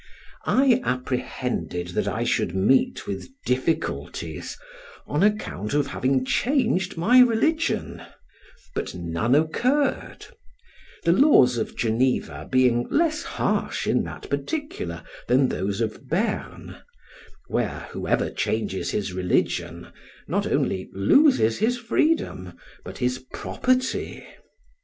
I apprehended that I should meet with difficulties, on account of having changed my religion, but none occurred; the laws of Geneva being less harsh in that particular than those of Berne, where, whoever changes his religion, not only loses his freedom, but his property.